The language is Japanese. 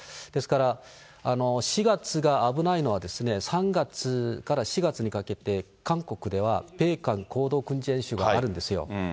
ですから４月が危ないのは、３月から４月にかけて、韓国では米韓合同軍事演習があるんですよ。